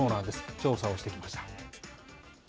調査をしてきました。